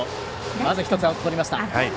まず１つ、アウトをとりました。